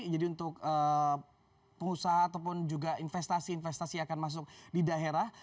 jadi untuk pengusaha ataupun juga investasi investasi yang akan masuk di daerah